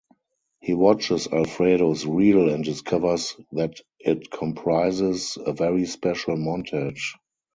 He watches Alfredo's reel and discovers that it comprises a very special montage.